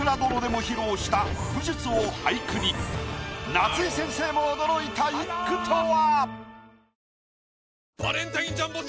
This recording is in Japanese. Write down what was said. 夏井先生も驚いた一句とは？